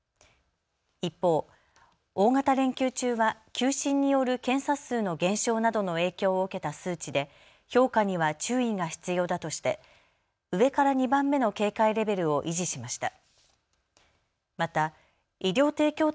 一方、大型連休中は休診による検査数の減少などの影響を受けた数値で評価には注意が必要だとして上から２番目の警戒レベルを維持しました。